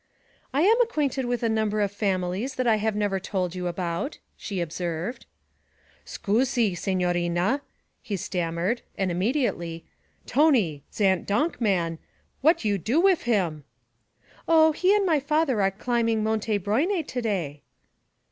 'I am acquainted with a number of families that I have never told you about,' she observed. 'Scusi, signorina,' he stammered; and immediately, 'Tony, zat donk' man, what you do wif him?' 'Oh, he and my father are climbing Monte Brione to day.'